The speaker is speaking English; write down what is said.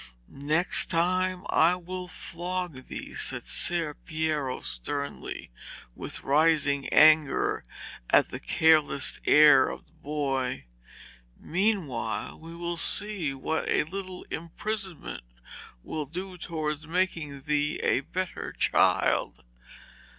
'Next time I will flog thee,' said Ser Piero sternly, with rising anger at the careless air of the boy. 'Meanwhile we will see what a little imprisonment will do towards making thee a better child.'